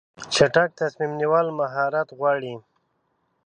چټک تصمیم نیول مهارت غواړي.